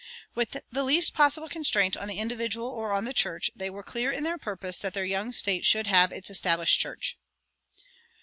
With the least possible constraint on the individual or on the church, they were clear in their purpose that their young state should have its established church.